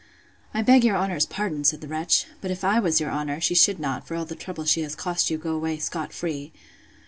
I beg your honour's pardon, said the wretch; but if I was your honour, she should not, for all the trouble she has cost you, go away scot free.